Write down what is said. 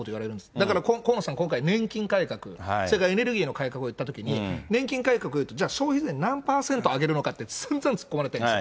だから、河野さん、今回、年金改革、それからエネルギーの改革を言ったときに、年金改革はいい、じゃあ、消費税何％上げるのかって、さんざん突っ込まれたんです。